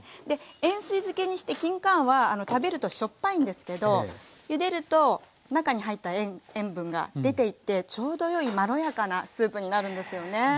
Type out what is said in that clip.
で塩水漬けにしてきんかんは食べるとしょっぱいんですけどゆでると中に入った塩分が出ていってちょうど良いまろやかなスープになるんですよね。